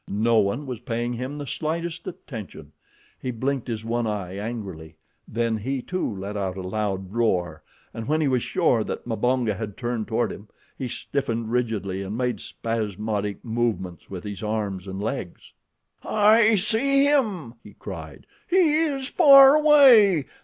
No one was paying him the slightest attention. He blinked his one eye angrily, then he, too, let out a loud roar, and when he was sure that Mbonga had turned toward him, he stiffened rigidly and made spasmodic movements with his arms and legs. "I see him!" he cried. "He is far away.